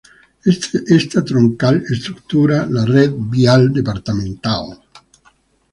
Esta Troncal estructura la red vial departamental.